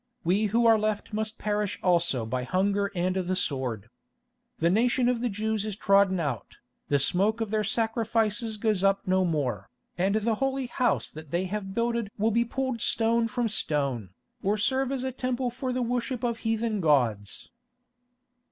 —we who are left must perish also by hunger and the sword. The nation of the Jews is trodden out, the smoke of their sacrifices goes up no more, and the Holy House that they have builded will be pulled stone from stone, or serve as a temple for the worship of heathen gods."